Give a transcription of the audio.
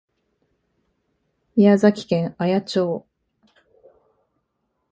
宮崎県綾町